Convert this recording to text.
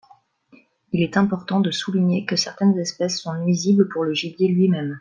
Il est important de souligner que certaines espèces sont nuisibles pour le gibier lui-même.